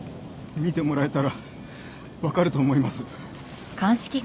見てもらえたら分かると思います。